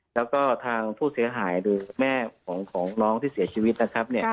แล้วก็ทางผู้เสียหายหรือแม่ของน้องที่เสียชีวิตนะครับ